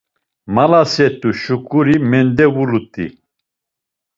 Malaset̆u şuǩuri mendevulut̆i.